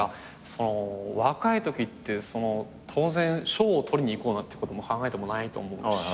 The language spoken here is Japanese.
その若いときって当然賞を取りにいこうなんてことも考えてもないと思うし。